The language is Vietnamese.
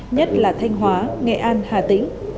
nhất là thanh hóa nghệ an hà tĩnh